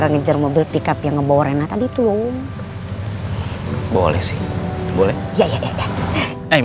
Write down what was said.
apakah ada di dalam